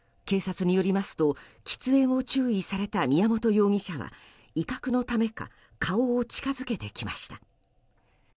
警察によりますと喫煙を注意された宮本容疑者は威嚇のためか顔を近づけてきました。